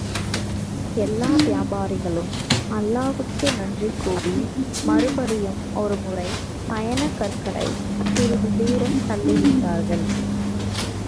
எல்லா வியாபாரிகளும் அல்லாவுக்கு நன்றி கூறி மறுபடியும் ஒருமுறை பயணக் கற்களைச் சிறிது தூரம் தள்ளிவிட்டார்கள்.